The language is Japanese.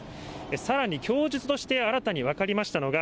さらに供述として新たに分かりましたのが、